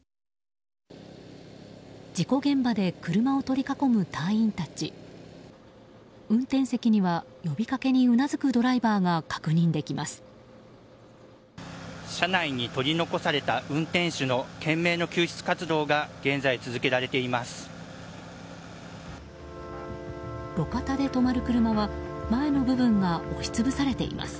車内に取り残された運転手の懸命な救出活動が現在、続けられています。